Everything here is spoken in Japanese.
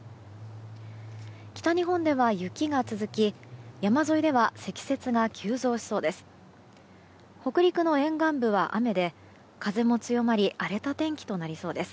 北日本では雪が続き山沿いでは積雪が急増しそうです。